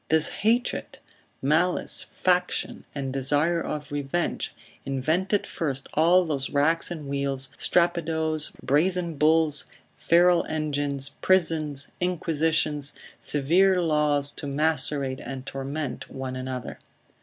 This hatred, malice, faction, and desire of revenge, invented first all those racks and wheels, strappadoes, brazen bulls, feral engines, prisons, inquisitions, severe laws to macerate and torment one another.